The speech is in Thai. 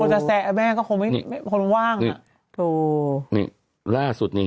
คนจะแสะแม่ก็คงไม่คนว่างน่ะนี่ล่าสุดนี้น่ะ